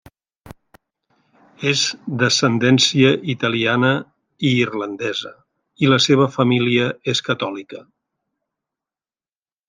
És d'ascendència italiana i irlandesa, i la seva família és catòlica.